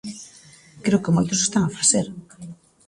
Creo que moitos o están a facer.